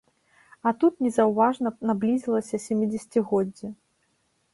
А тут незаўважна наблізілася сямідзесяцігоддзе.